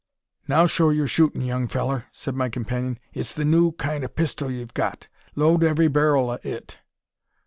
"Now show yur shootin', young fellur!" said my companion. "It's the new kind o' pistol 'ee hev got. Load every ber'l o' it."